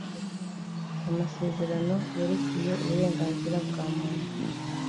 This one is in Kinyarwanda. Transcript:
amasezerano yerekeye uburenganzira bwa muntu